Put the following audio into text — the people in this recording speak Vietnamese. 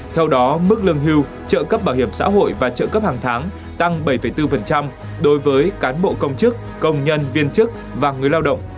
theo đó mức lương hưu trợ cấp bảo hiểm xã hội và trợ cấp hàng tháng tăng bảy bốn đối với cán bộ công chức công nhân viên chức và người lao động